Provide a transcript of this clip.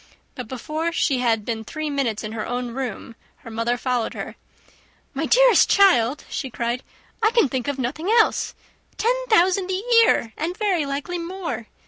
But before she had been three minutes in her own room, her mother followed her. "My dearest child," she cried, "I can think of nothing else. Ten thousand a year, and very likely more!